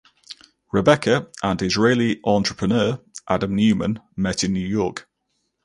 Rebekah and Israeli entrepreneur Adam Neumann met in New York.